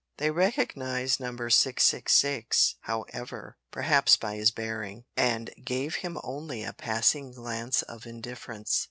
They recognised Number 666, however, (perhaps by his bearing), and gave him only a passing glance of indifference.